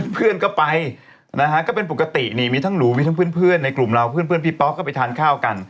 เพื่อนก็ไปนะฮะก็เป็นปกตินี่มีทั้งหนูมีทั้งเพื่อนในกลุ่มเราเพื่อนพี่ป๊อกก็ไปทานข้าวกัน